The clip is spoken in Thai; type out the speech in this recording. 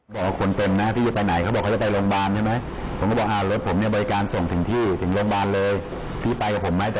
แต่มันยังจะจอดรับคนอีก